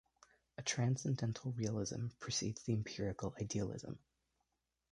A transcendental realism precedes the empirical idealism.